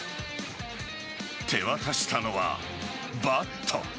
手渡したのはバット。